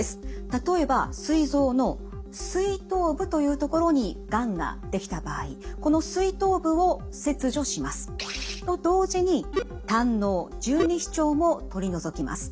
例えばすい臓のすい頭部というところにがんができた場合このすい頭部を切除します。と同時に胆のう十二指腸も取り除きます。